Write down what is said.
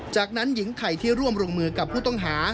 จากนั้นหญิงไข่ที่ร่วมลงมือกับผู้ต้องหา